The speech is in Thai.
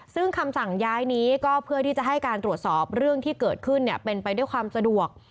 ซึ่งคำสั่งย้ายนี้ก็เพื่อที่จะให้การตรวจสอบเรื่องที่เกิดขึ้นเป็นไปด้วยความสะดวก